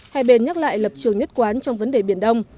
hai bên nhắc lại lập trường nhất quán trong vấn đề biển đông